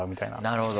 なるほど。